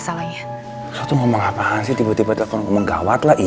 bahwa bukan andi yang pelaku pembunuhan itu